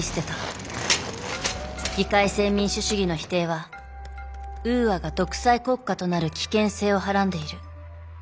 議会制民主主義の否定はウーアが独裁国家となる危険性をはらんでいる。